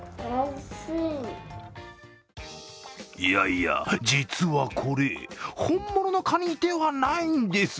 いやいや、実はこれ本物のカニではないんです。